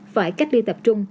phải cách đi tập trung